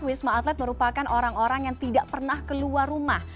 wisma atlet merupakan orang orang yang tidak pernah keluar rumah